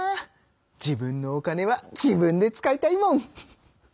自分のお金は自分で使いたいもん！